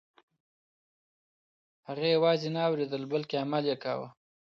هغې یوازې نه اورېدل بلکه عمل یې کاوه.